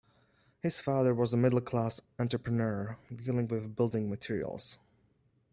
His father was a middle-class entrepreneur, dealing with building materials.